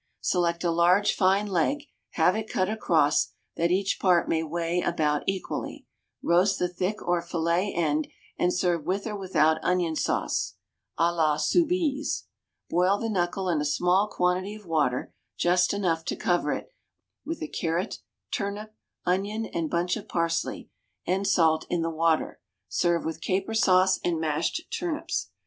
Select a large fine leg, have it cut across, that each part may weigh about equally; roast the thick or fillet end and serve with or without onion sauce (à la soubise); boil the knuckle in a small quantity of water, just enough to cover it, with a carrot, turnip, onion, and bunch of parsley, and salt in the water, serve with caper sauce and mashed turnips.